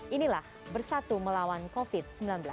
inilah bersatu melawan covid sembilan belas